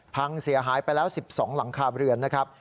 พังเสียหายไปแล้ว๑๒หลังคาเรือนนะครับ